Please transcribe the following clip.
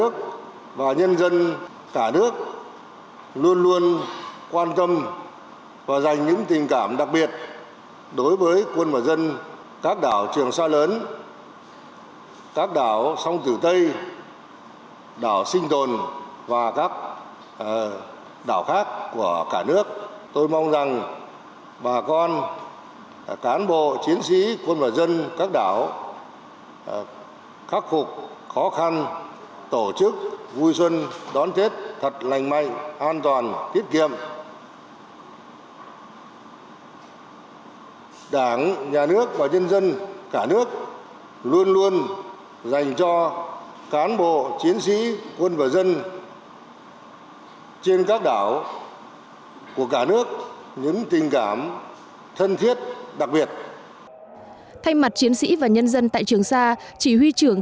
chủ tịch nước đã gửi lời thăm hỏi chúc các chiến sĩ và nhân dân tại trường sa đón tết ấm no và hạnh phúc